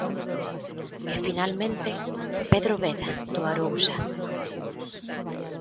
E finalmente, Pedro Beda, do Arousa.